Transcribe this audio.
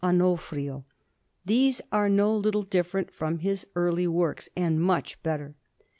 Onofrio. These are no little different from his early works, and much better.